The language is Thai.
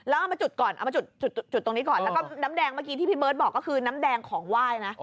อะว่ามาจุดก่อนนะก็น้ำแดงที่พี่มาจะบอกเรื่อยคือน้ำแดงของว่านะ